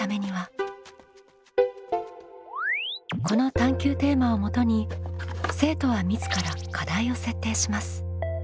この探究テーマをもとに生徒は自ら課題を設定します。